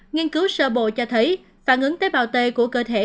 nghiên cứu sơ bộ cho thấy phản ứng tế bào t của cơ thể